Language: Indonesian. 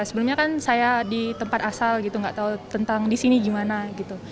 sebelumnya kan saya di tempat asal gitu gak tau tentang di sini gimana gitu